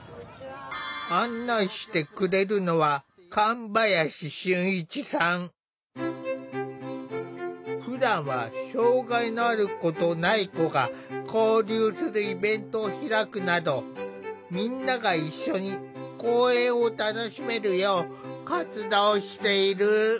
案内してくれるのはふだんは障害のある子とない子が交流するイベントを開くなどみんなが一緒に公園を楽しめるよう活動している。